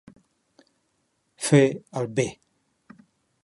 Fer el bé.